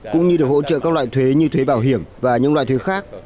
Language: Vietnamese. cũng như được hỗ trợ các loại thuế như thuế bảo hiểm và những loại thuế khác